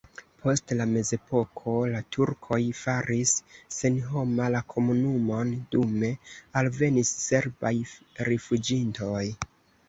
Post la mezepoko la turkoj faris senhoma la komunumon, dume alvenis serbaj rifuĝintoj.